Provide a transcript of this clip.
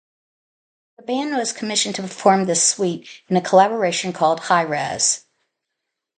The band was commissioned to perform this suite in a collaboration called Hi-Rez.